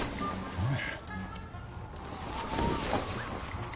うん。